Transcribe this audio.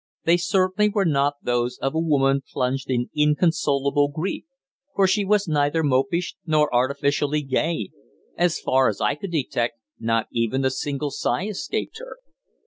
They certainly were not those of a woman plunged in inconsolable grief, for she was neither mopish nor artificially gay. As far as I could detect, not even a single sigh escaped her.